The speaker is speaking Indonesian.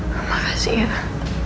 terima kasih ya